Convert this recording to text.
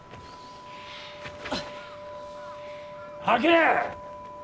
吐け！